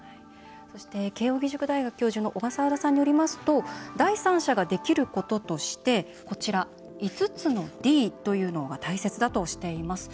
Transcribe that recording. そして、慶應大学教授の小笠原さんによりますと第三者ができることとして５つのＤというのが大切だとしています。